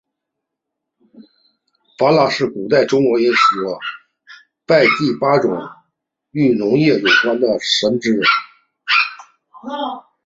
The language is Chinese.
八蜡是古代中国人民所祭祀八种与农业有关的神只。